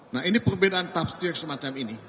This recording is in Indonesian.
nah ini perbedaan tafsir semacam ini